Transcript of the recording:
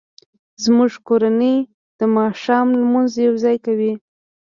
زموږ کورنۍ د ماښام لمونځ یوځای کوي